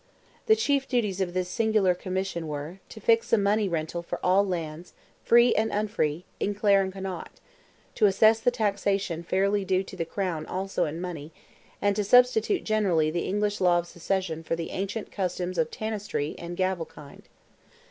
The chief duties of this singular commission were, to fix a money rental for all lands, free and unfree, in Clare and Connaught; to assess the taxation fairly due to the crown also in money; and to substitute generally the English law of succession for the ancient customs of Tanistry and gavelkind.